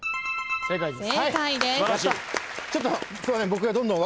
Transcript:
正解です。